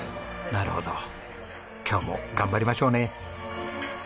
なるほど今日も頑張りましょうね。